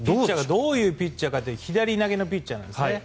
どういうピッチャーかって左投げのピッチャーなんですね。